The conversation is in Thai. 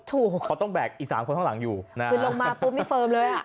ถูกต้องเขาต้องแบกอีกสามคนข้างหลังอยู่นะคือลงมาปุ๊บนี่เฟิร์มเลยอ่ะ